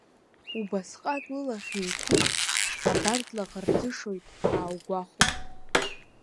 Убасҟак лылахь еиқәуп, абар длаӷырӡышоит ааугәахәып.